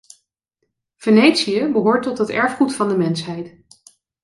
Venetië behoort tot het erfgoed van de mensheid.